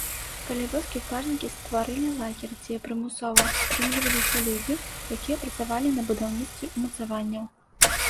Каля вёскі карнікі стварылі лагер, дзе прымусова ўтрымліваліся людзі, якія працавалі на будаўніцтве ўмацаванняў.